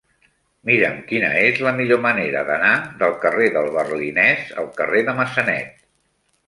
Mira'm quina és la millor manera d'anar del carrer del Berlinès al carrer de Massanet.